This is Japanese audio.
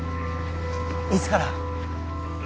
いつから？